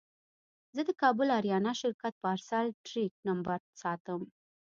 زه د کابل اریانا شرکت پارسل ټرېک نمبر ساتم.